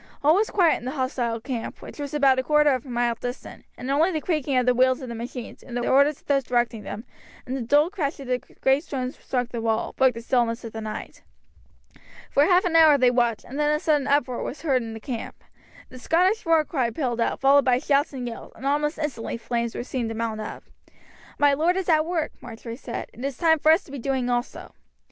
All was quiet in the hostile camp, which was about a quarter of a mile distant, and only the creaking of the wheels of the machines, the orders of those directing them, and the dull crash as the great stones struck the wall, broke the stillness of the night. For half an hour they watched, and then a sudden uproar was heard in the camp. The Scottish war cry pealed out, followed by shouts and yells, and almost instantly flames were seen to mount up. "My lord is at work," Marjory said, "it is time for us to be doing also."